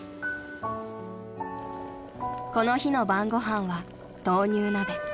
［この日の晩ご飯は豆乳鍋］